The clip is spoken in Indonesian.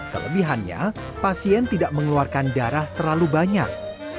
kelebihannya pasien tidak mengeluarkan darah terlalu banyak